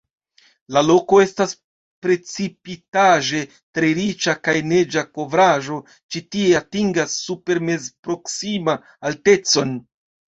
La loko estas precipitaĵe tre riĉa kaj neĝa kovraĵo ĉi tie atingas supermezproksima altecon.